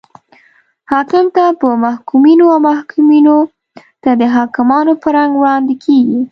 حاکم ته په محکومینو او محکومینو ته د حاکمانو په رنګ وړاندې کیږي.